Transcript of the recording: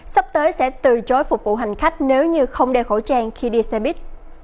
sắp tới sẽ từ chối phục vụ hành khách nếu như không đeo khẩu trang khi đi xe buýt